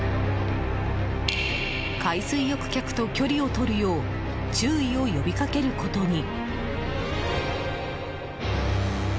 海水浴客と距離をとるよう注意を呼びかけることに。